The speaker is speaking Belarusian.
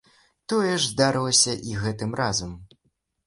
Тое ж здарылася і гэтым разам.